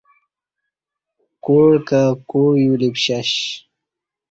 کوع کہ کوع یُلی پشش